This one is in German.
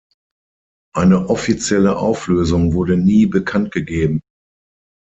Eine offizielle Auflösung wurde nie bekanntgegeben.